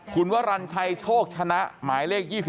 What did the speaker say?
คุณวรรณชัยโชคชนะหมายเลข๒๔